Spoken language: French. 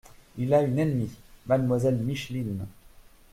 Il a une ennemie : mademoiselle Micheline !